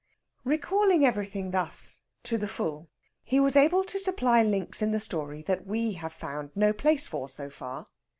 Recalling everything thus, to the full, he was able to supply links in the story that we have found no place for so far.